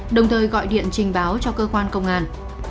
đồng thời gọi điện trình báo cho cơ quan công an